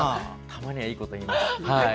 たまにはいいこと言います。